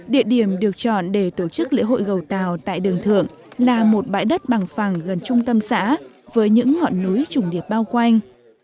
địa điểm được chọn để tổ chức lễ hội gầu tàu tại đường thượng là một bãi đất bằng phẳng gần trung tâm xã với những ngọn núi trùng điệp bao quanh